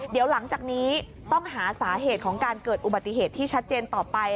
เดี๋ยวหลังจากนี้ต้องหาสาเหตุของการเกิดอุบัติเหตุที่ชัดเจนต่อไป